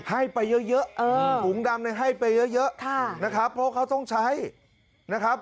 ให้ไปเยอะถุงดำให้ไปเยอะนะครับเพราะเขาต้องใช้นะครับ